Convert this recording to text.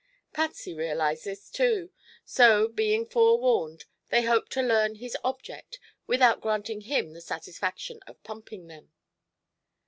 Patsy realized this, too. So, being forewarned, they hoped to learn his object without granting him the satisfaction of "pumping" them.